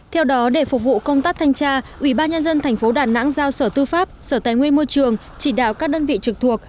theo đó để phục vụ công tác thanh tra ubnd tp đà nẵng giao sở tư pháp sở tài nguyên môi trường chỉ đạo các đơn vị trực thuộc